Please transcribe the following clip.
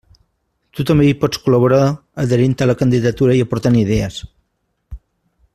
Tu també hi pots col·laborar adherint-te a la candidatura i aportant idees.